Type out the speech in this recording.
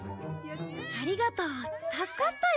ありがとう助かったよ。